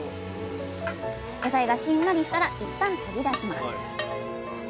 野菜がしんなりしたらいったん取り出します。